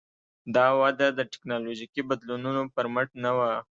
دا وده د ټکنالوژیکي بدلونونو پر مټ نه وه.